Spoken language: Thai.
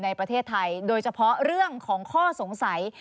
ในประเทศไทยโดยเฉพาะเรื่องของข้อสงสัย